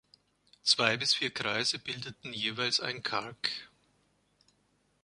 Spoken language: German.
Zwei bis vier Kreise bildeten jeweils einen Qark.